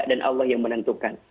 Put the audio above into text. dan allah yang menentukan